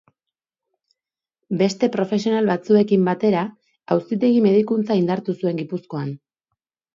Beste profesional batzuekin batera, auzitegi-medikuntza indartu zuen Gipuzkoan.